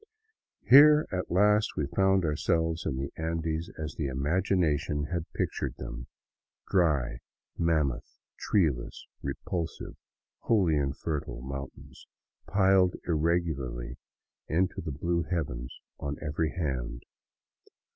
Here at last we found ourselves in the Andes as the imagination had pictured them, — dry, mammoth, treeless, repulsive, wholly infertile mountains piled irregularly into the blue heavens on every hand.